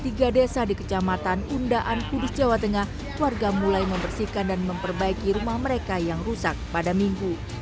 di tiga desa di kecamatan undaan kudus jawa tengah warga mulai membersihkan dan memperbaiki rumah mereka yang rusak pada minggu